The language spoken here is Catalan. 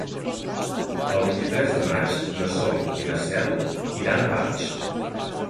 El vint-i-tres de maig na Sol i na Cel iran a Barx.